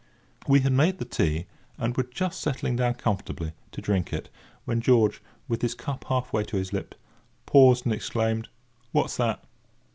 We had made the tea, and were just settling down comfortably to drink it, when George, with his cup half way to his lips, paused and exclaimed: "What's that?"